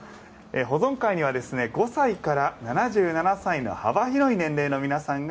保存会には５歳から７７歳の幅広い年齢の皆さんが